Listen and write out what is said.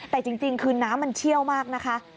แต่จริงคือน้ำมันเชี่ยวมากนะคะ